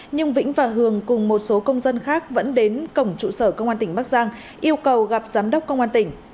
nhưng vĩnh và hường cùng một số công dân khác vẫn đến cổng trụ sở công an tỉnh bắc giang yêu cầu gặp giám đốc công an tỉnh